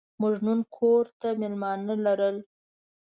موږ نن کور ته مېلمانه لرل.